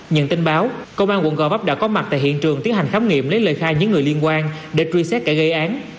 nhận tin báo công an quận gò vấp đã có mặt tại hiện trường tiến hành khám nghiệm lấy lời khai những người liên quan để truy xét kẻ gây án